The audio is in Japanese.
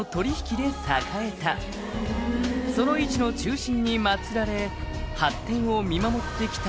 「その市の中心に祀られ発展を見守って来た